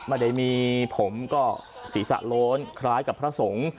มาได้มีผมสีสะโลนคล้ายกับพระสงค์